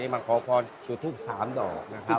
มันขอพรจุทุกสามดอกนะครับ